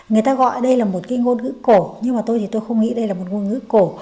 người ta gọi đây là một cái ngôn ngữ cổ nhưng mà tôi thì tôi không nghĩ đây là một ngôn ngữ cổ